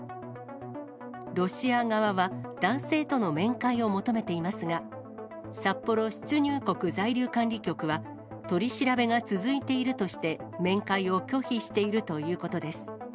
ロシア側は、男性との面会を求めていますが、札幌出入国在留管理局は、取り調べが続いているとして、面会を拒否しているということです。